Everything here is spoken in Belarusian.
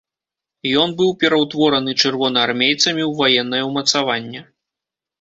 Ён быў пераўтвораны чырвонаармейцамі ў ваеннае ўмацаванне.